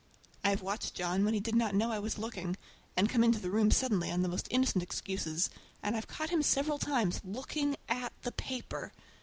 I have watched John when he did not know I was looking, and come into the room suddenly on the most innocent excuses, and I've caught him several times looking at the paper!